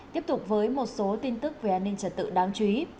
tiếp tục với một số tin tức về an ninh trật tự đáng chú ý